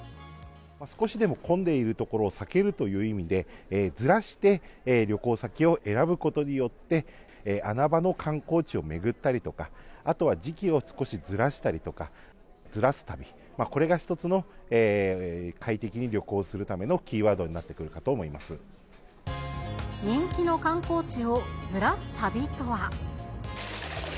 少しでも混んでいる所を避けるという意味で、ずらして旅行先を選ぶことによって、穴場の観光地を巡ったりとか、あとは時期を少しずらしたりとか、ズラす旅、これが１つの快適に旅行するためのキーワードになってくるかと思人気の観光地をズラす旅とは。